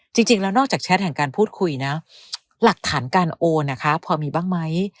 จริงแล้วนอกจากแชทแห่งการพูดคุยนะหลักฐานการโอนนะคะพอมีบ้างไหม